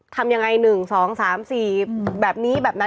ทำยังไง๑๒๓๔แบบนี้แบบนั้น